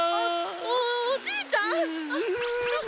おっおじいちゃん！